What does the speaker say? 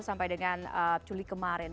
sampai dengan juli kemarin